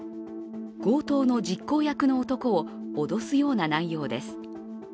強盗の実行役の男を脅すような内容です。